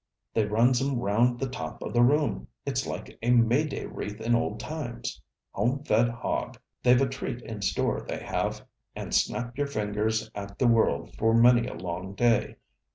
They runs 'em round the top of the room it's like a May day wreath in old times. Home fed hog! They've a treat in store, they have. And snap your fingers at the world for many a long day.